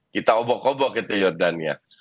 kita obok obok itu jordan ya